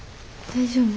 大丈夫。